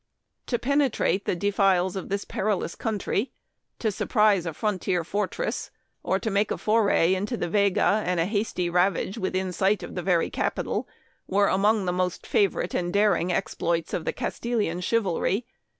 To penetrate the defiles of this perilous country ; to surprise a frontier fortress ; or to make a foray into the vega and a hasty ravage within sight of the very capital, were among the most favorite and daring exploits of the Castilian chivalry.